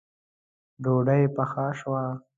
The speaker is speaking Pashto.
ډوډۍ پخه شوه